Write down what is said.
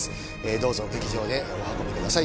どうぞ劇場へお運びください